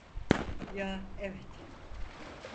Ya, evet.